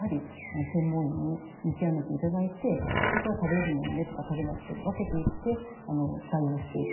専門医に見極めていただいてこれは食べれるものねとか食べられないって分けていって対応していく。